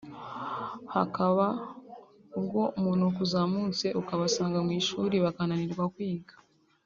Hakaba ubwo umunuko uzamutse ukabasanga mu ishuri bakananirwa kwiga